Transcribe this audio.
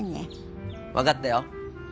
分かったよ。